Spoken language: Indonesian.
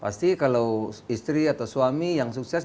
pasti kalau istri atau suami yang sukses